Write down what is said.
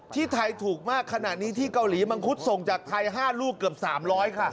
ที่ไทยถูกมากขณะนี้ที่เกาหลีมังคุดส่งจากไทย๕ลูกเกือบ๓๐๐ค่ะ